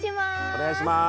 お願いします。